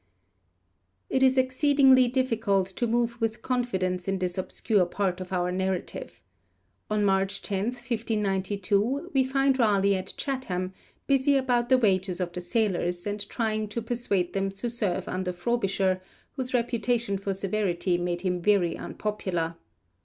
It is exceedingly difficult to move with confidence in this obscure part of our narrative. On March 10, 1592, we find Raleigh at Chatham, busy about the wages of the sailors, and trying to persuade them to serve under Frobisher, whose reputation for severity made him very unpopular.